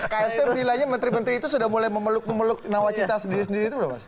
ksp bilangnya menteri menteri itu sudah mulai memeluk memeluk nawacita sendiri sendiri itu belum mas